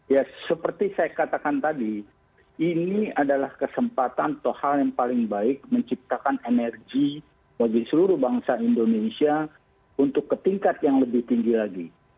ya seperti saya katakan tadi ini adalah kesempatan atau hal yang paling baik menciptakan energi bagi seluruh bangsa indonesia untuk ke tingkat yang lebih tinggi lagi